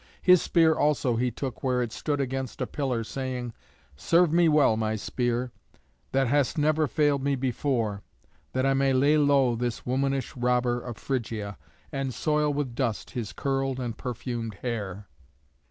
His spear also he took where it stood against a pillar, saying, "Serve me well, my spear, that hast never failed me before, that I may lay low this womanish robber of Phrygia, and soil with dust his curled and perfumed hair."